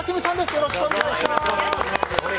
よろしくお願いします。